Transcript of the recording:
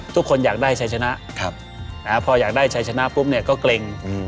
ทุกคนอยากได้ชัยชนะพออยากได้ชัยชนะปุ๊บเนี่ยก็เกร็ง